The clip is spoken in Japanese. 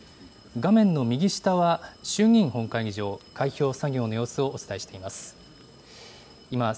画面の右下は、衆議院本会議場、開票作業の様子をお伝えしています。